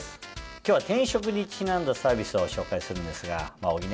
今日は転職にちなんだサービスを紹介するんですが小木ね